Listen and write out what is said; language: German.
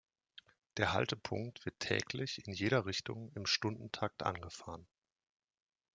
Der Haltepunkt wird täglich in jeder Richtung im Stundentakt angefahren.